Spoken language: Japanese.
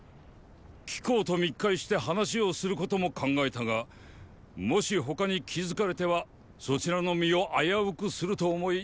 貴公と密会して話をすることも考えたがもし他に気付かれてはそちらの身を危うくすると思い